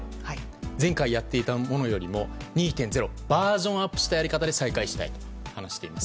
前回やっていたものよりも２．０バージョンアップしたやり方で再開したいと話しています。